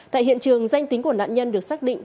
tại hiện trường danh tính của nạn nhân được xác định